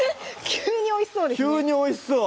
急においしそう！